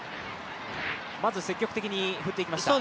まず積極的に振っていきました。